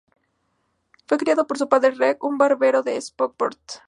Fue criado por su padre, Reg, un barbero de Stockport.